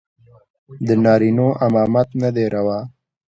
د نارينو امامت نه دى روا.